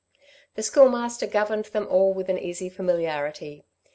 The Schoolmaster governed them all with an easy familiarity.